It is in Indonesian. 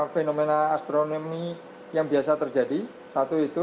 fenomena astronomi yang biasa terjadi satu itu